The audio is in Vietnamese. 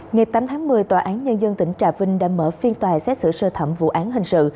ngày tám tháng một mươi tòa án nhân dân tỉnh trà vinh đã mở phiên tòa xét xử sơ thẩm vụ án hình sự